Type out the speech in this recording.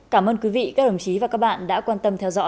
cảm ơn quý vị các đồng chí và các bạn đã quan tâm